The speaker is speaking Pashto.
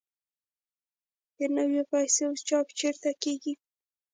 د نویو پیسو چاپ چیرته کیږي؟